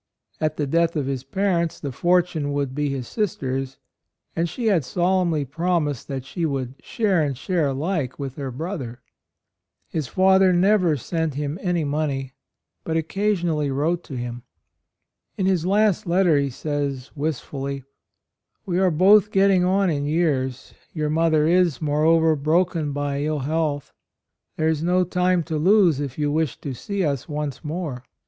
At the death of his parents the fortune would be his sister's, and she had AND MOTHER. 89 solemnly promised that she would "share and share alike" with her brother. His father never sent him any money, but occasionally wrote to him. In his last letter he says, wistfully: "We are both getting on in years; your mother is, moreover, broken by ill health. ... There is no time to lose if you wish to see us once more.